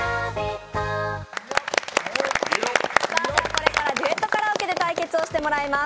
これからデュエットカラオケで対決していただきます。